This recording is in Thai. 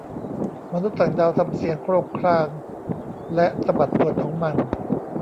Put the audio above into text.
มนุษย์ต่างดาวทำเสียงโครกครางและสะบัดหนวดของมัน